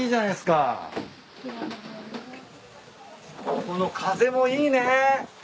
この風もいいね。